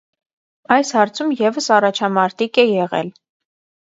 Այս հարցում ևս առաջամարտիկ է եղել։